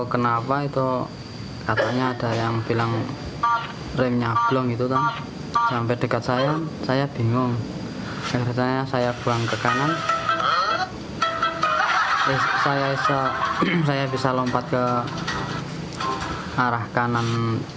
kaki sebelah kanan